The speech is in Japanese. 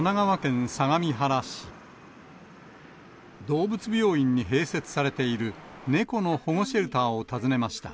動物病院に併設されている猫の保護シェルターを訪ねました。